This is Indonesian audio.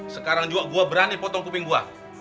sekarang juga gue berani potong kuping buah